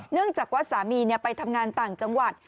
เนื่องจากว่าสามีไปทำงานต่างจังหวัด